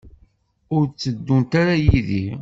Ur tteddunt ara yid-i?